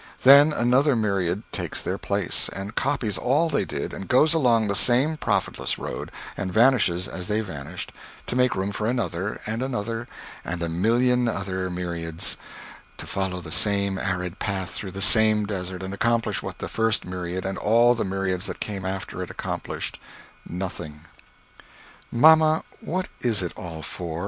Then another myriad takes their place, and copies all they did, and goes along the same profitless road, and vanishes as they vanished to make room for another, and another, and a million other myriads, to follow the same arid path through the same desert, and accomplish what the first myriad, and all the myriads that came after it, accomplished nothing! "Mamma, what is it all for?"